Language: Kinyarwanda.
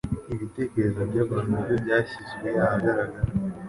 ibitekerezo by'abantu nabyo byashyizwe ahagaragara